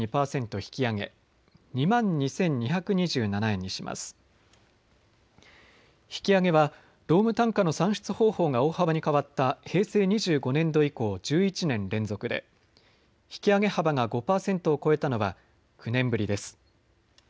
引き上げは労務単価の算出方法が大幅に変わった平成２５年度以降、１１年連続で引き上げ幅が５％を超えたのは９年ぶりです。